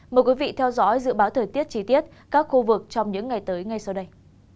mời quý vị theo dõi dự báo thời tiết chi tiết các khu vực trong những ngày tới ngay sau đây